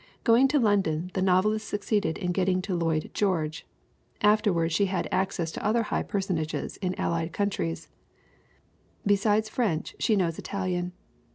Going to London, the novelist succeeded in getting to Lloyd George; afterward she had access to other high per sonages in the Allied countries. Besides French she knows Italian.